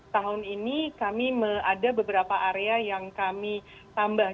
tahun ini kami ada beberapa area yang kami tambah